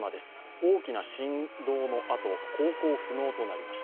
大きな振動のあと、航行不能となりました。